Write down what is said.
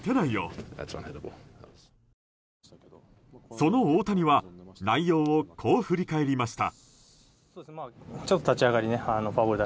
その大谷は内容をこう振り返りました。